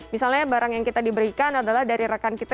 misalnya barang yang kita diberikan adalah dari rekan kita